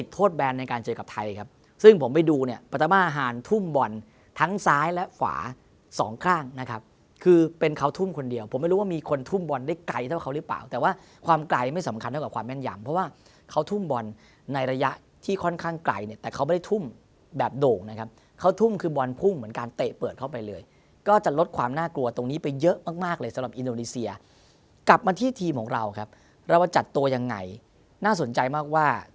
โทษแบนในการเจอกับไทยครับซึ่งผมไปดูเนี่ยปฏิบาหารทุ่มบอลทั้งซ้ายและฝาสองข้างนะครับคือเป็นเขาทุ่มคนเดียวผมไม่รู้ว่ามีคนทุ่มบอลได้ไกลเท่าเขาหรือเปล่าแต่ว่าความไกลไม่สำคัญเท่ากับความแม่นยำเพราะว่าเขาทุ่มบอลในระยะที่ค่อนข้างไกลเนี่ยแต่เขาไม่ได้ทุ่มแบบโด่งนะครับเขาทุ่มค